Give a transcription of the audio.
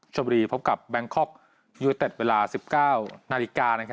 ชวรีพบกับแบงคล็อคยูอเต็ดเวลา๑๙น